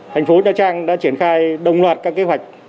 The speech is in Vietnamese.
thành phố nha trang đã triển khai đồng loạt các kế hoạch